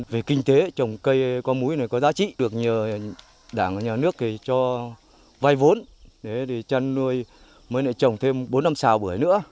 về kinh tế trồng cây có múi có giá trị được nhờ đảng nhà nước cho vai vốn chăn nuôi mới lại trồng thêm bốn năm sào bữa nữa